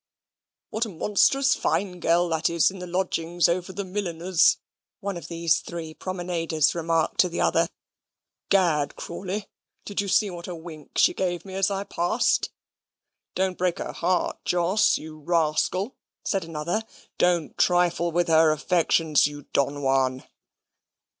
"What a monstrous fine girl that is in the lodgings over the milliner's," one of these three promenaders remarked to the other; "Gad, Crawley, did you see what a wink she gave me as I passed?" "Don't break her heart, Jos, you rascal," said another. "Don't trifle with her affections, you Don Juan!"